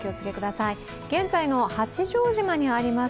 現在の八丈島にあります